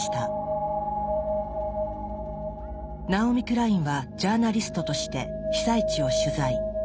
ナオミ・クラインはジャーナリストとして被災地を取材。